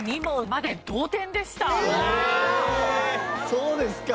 そうですか。